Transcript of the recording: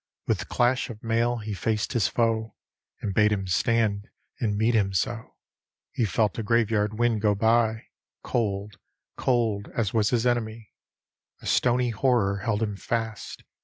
With clash of mail he faced his foe. And bade him stand and meet him so. He felt a graveyard wind go by Cold, cold as was his enemy. A stony horror held him fast.